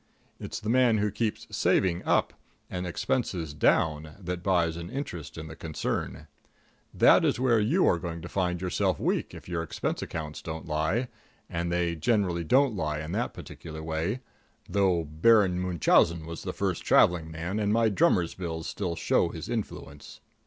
It's the man who keeps saving up and expenses down that buys an interest in the concern. That is where you are going to find yourself weak if your expense accounts don't lie; and they generally don't lie in that particular way, though Baron Munchausen was the first traveling man, and my drummers' bills still show his influence.